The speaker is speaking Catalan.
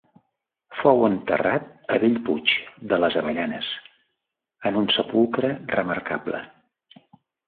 Fou enterrat a Bellpuig de les Avellanes, en un sepulcre remarcable.